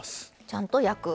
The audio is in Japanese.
ちゃんと焼く。